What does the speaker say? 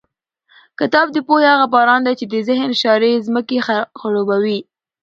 کتاب د پوهې هغه باران دی چې د ذهن شاړې ځمکې خړوبوي.